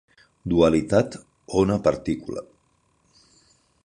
Dualitat ona-partícula.